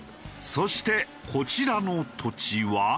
そしてこちらの土地は。